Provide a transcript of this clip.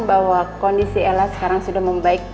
bahwa kondisi ella sekarang sudah membaik